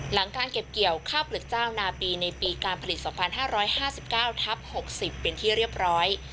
หลังการเก็บเกี่ยวข้าวเปลือกเจ้านาปีในปีการผลิต๒๕๕๙ทับ๖๐เป็นที่เรียบร้อย